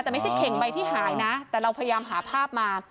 แต่ไม่ใช่เข่งใบที่หายนะแต่เราพยายามหาภาพมา